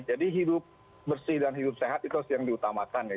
jadi hidup bersih dan hidup sehat itu yang diutamakan ya